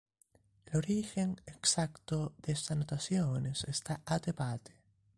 El origen exacto de estas anotaciones está a debate.